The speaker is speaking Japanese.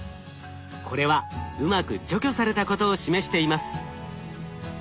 これはうまく除去されたことを示しています。